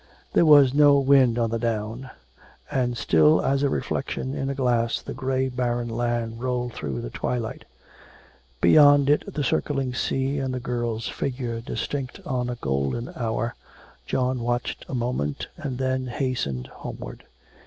There was no wind on the down. And still as a reflection in a glass the grey barren land rolled through the twilight. Beyond it the circling sea and the girl's figure distinct on a golden hour. John watched a moment, and then hastened homeward.